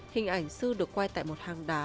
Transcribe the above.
hình ảnh sư được quay tại một hang đá